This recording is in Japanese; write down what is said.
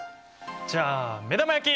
じゃあ目玉焼き！